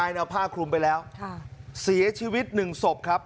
นายเนี่ยเอาผ้าคลุมไปแล้วค่ะเสียชีวิตหนึ่งศพครับ